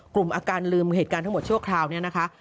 กลุ่มอาการลืมเหตุการณ์ทั้งหมดชั่วคราวนี้นะคะ